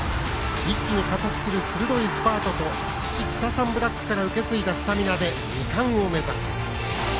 一気に加速する鋭いスパートと父・キタサンブラックから受け継いだスタミナで２冠を目指す。